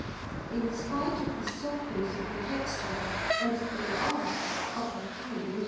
In spite of the softness of the texture, and the art of a kind!